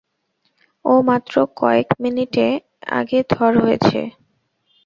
ও মাত্র কয়কে মিনিট আগে থর হয়েছে।